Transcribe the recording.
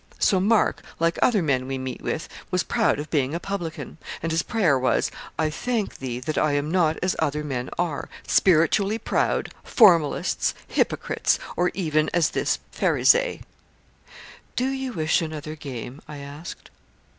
So Mark, like other men we meet with, was proud of being a Publican; and his prayer was 'I thank Thee that I am not as other men are, spiritually proud, formalists, hypocrites, or even as this Pharisee.' 'Do you wish another game?' I asked.